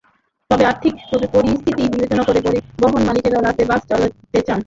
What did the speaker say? তবে আর্থিক পরিস্থিতি বিবেচনা করে পরিবহন মালিকেরা রাতে বাস চালাতে চান।